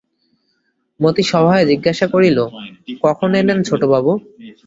মতি সভয়ে জিজ্ঞাসা করিল, কখন এলেন ছোটবাবু?